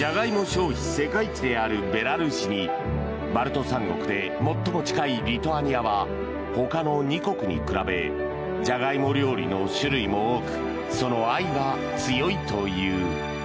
消費世界一であるベラルーシにバルト三国で最も近いリトアニアは他の２国に比べジャガイモ料理の種類も多くその愛が強いという。